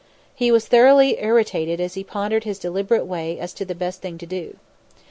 He was thoroughly irritated as he pondered in his deliberate way as to the best thing to do.